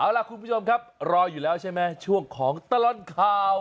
เอาล่ะคุณผู้ชมครับรออยู่แล้วใช่ไหมช่วงของตลอดข่าว